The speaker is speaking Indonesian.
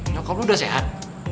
nyokap lo udah sehat